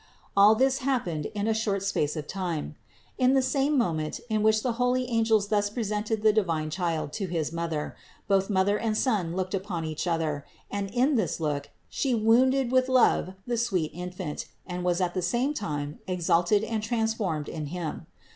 All this happened in a short space of time. In the same moment in which the holy angels thus presented the divine Child to his Mother, both Son and Mother looked upon each other, and in this look, She wounded with love the sweet Infant and was at the same time exalted and transformed in Him.